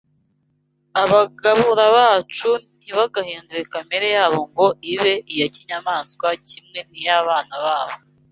Abagabura bacu ntibagahindure kamere yabo ngo ibe iya kinyamaswa kimwe n’iy’abana babo